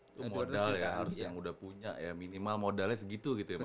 itu modal ya harus yang udah punya ya minimal modalnya segitu gitu ya mas